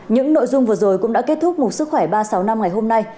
những nội dung vừa rồi cũng đã kết thúc một sức khỏe ba sáu năm ngày hôm nay